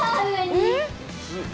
えっ！？